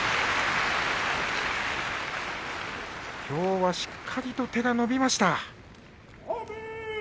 きょうはしっかりと手が伸びました。